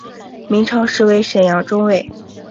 明朝时为沈阳中卫。